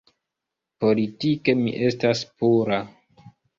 Politike mi estas pura.